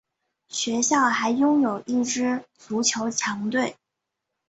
学校还拥有一支足球强队。